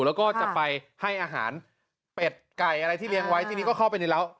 แล้วก็จะไปให้อาหารเป็ดไก่อะไรที่เลี้ยงไว้ทีนี้ก็เข้าไปในร้าว